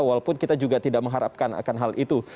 walaupun kita juga tidak mengharapkan akan hal itu